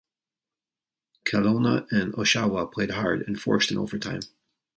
Kelowna and Oshawa played hard and forced an overtime.